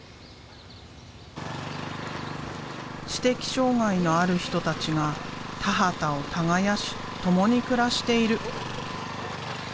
知的障害のある人たちが田畑を耕し共に暮らしている。